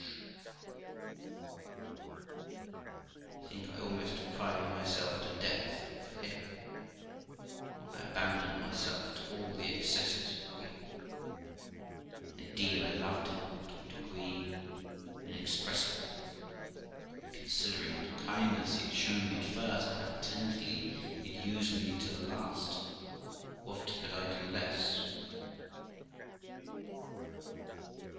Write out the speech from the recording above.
THE LIFE OF ROXANA 22 5 I think I almost cried myself to death for him, for I abandoned myself to all the excesses of grief j and indeed I loved him to a degree inexpress ible; and considering what kindness he had shown me at first, and how tenderly he had used me to the last, what could I do less